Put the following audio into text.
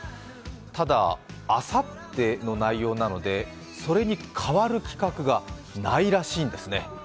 ただ、あさっての内容なので、それに代わる企画がないらしいんですね。